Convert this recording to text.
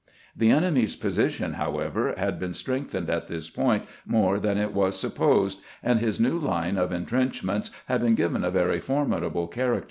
The enemy's position, however, had been strengthened at this point more than it was supposed, and his new line of intrenchments had been given a very formidable character.